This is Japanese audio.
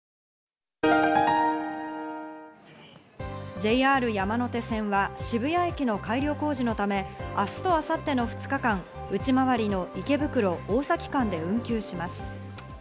ＪＲ山手線は渋谷駅の改良工事のため、明日と明後日の２日間、内回りの池袋ー大崎間で運休します。